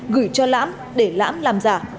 gửi cho lãm để lãm làm giả